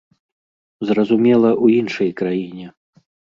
Зразумела, у іншай краіне.